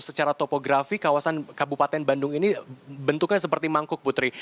secara topografi kawasan kabupaten bandung ini bentuknya seperti mangkuk putri